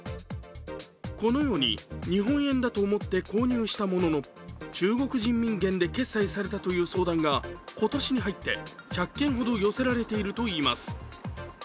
このように、日本円だと思って購入したものの中国人民元で決済されたという相談が今年に入って１００件ほど寄せられているといいます。